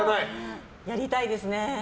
やりたいですね。